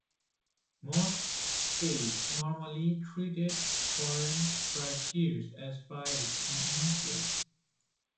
Most states normally treated foreign privateers as pirates in any case.